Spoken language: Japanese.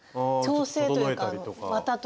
調整というか綿とか。